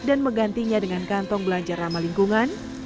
dan menggantinya dengan kantong belanja ramah lingkungan